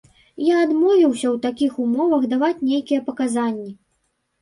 Я адмовіўся ў такіх умовах даваць нейкія паказанні.